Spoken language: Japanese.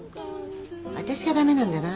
私が駄目なんだな。